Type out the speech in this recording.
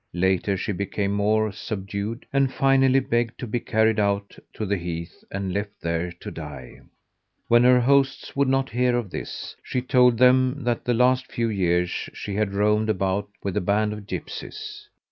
Later she became more subdued and finally begged to be carried out to the heath and left there to die. When her hosts would not hear of this, she told them that the last few years she had roamed about with a band of gipsies.